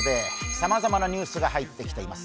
さまざまなニュースが入ってきています。